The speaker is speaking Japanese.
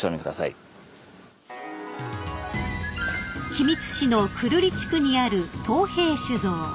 ［君津市の久留里地区にある藤平酒造］